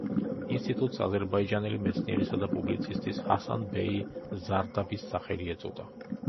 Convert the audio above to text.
ინსტიტუტს აზერბაიჯანელი მეცნიერისა და პუბლიცისტის, ჰასან ბეი ზარდაბის სახელი ეწოდა.